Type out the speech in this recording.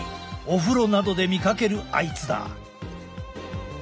お風呂などで見かけるあいつだ。